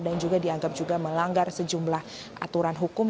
juga dianggap juga melanggar sejumlah aturan hukum